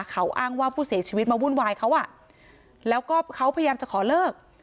เขาอ้างว่าผู้เสียชีวิตมาวุ่นวายเขาอ่ะแล้วก็เขาพยายามจะขอเลิก